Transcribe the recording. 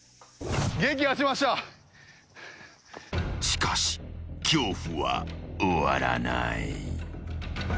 ［しかし恐怖は終わらない］